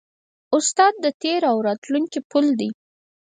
استاد د تېر او راتلونکي پل دی.